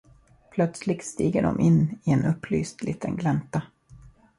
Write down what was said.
Plötsligt stiger dom in i en upplyst liten glänta.